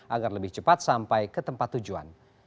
agar lebih cepat sampai ke tempat tujuan